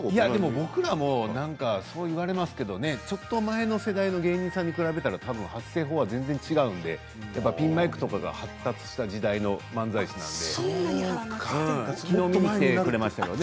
僕らもそう言われますけれどもちょっと前の芸人さんに比べたら発声法が違うのでピンマイクとかが発達した時代の漫才師なので。